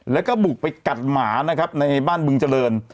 แล้วก็บุกไปกัดหมานะครับในบ้านบึงเจริญ